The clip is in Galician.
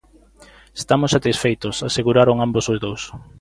"Estamos satisfeitos", aseguraron ambos os dous.